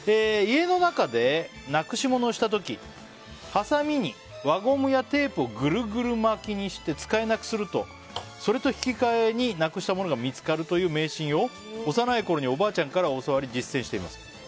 家の中でなくし物をした時はさみに輪ゴムやテープをぐるぐる巻きにして使えなくするとそれと引き換えに失くしたものが見つかるという迷信を、幼いころにおばあちゃんから教わり実践しています。